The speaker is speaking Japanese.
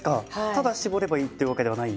ただ絞ればいいってわけではない？